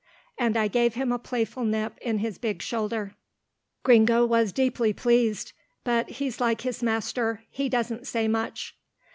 and I gave him a playful nip in his big shoulder. Gringo was deeply pleased, but he's like his master, he doesn't say much.